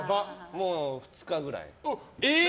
もう２日くらい。